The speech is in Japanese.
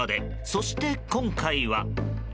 そして今回は。